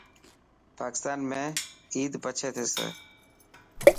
پاڪستان ۾ عيد پڇي ٿيسي.